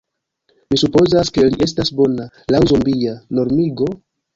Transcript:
Mi supozas ke li estas bona, laŭ zombia... normigo?